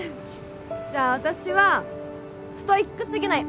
じゃあ私はストイックすぎない